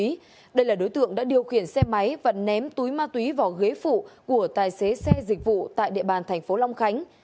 nguyễn khởi tố khiển xe máy và ném túi ma túy vào ghế phụ của tài xế xe dịch vụ tại địa bàn tp long khánh